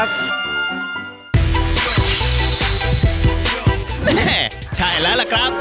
เน่ใช่ละละครับ